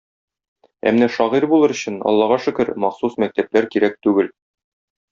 Ә менә шагыйрь булыр өчен, Аллага шөкер, махсус мәктәпләр кирәк түгел...